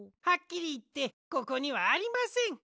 はっきりいってここにはありません。